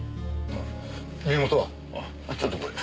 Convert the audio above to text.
あっちょっとこれ。